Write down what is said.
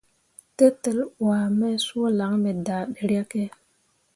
Tetel wuah me suu lan me daa ɗeryakke.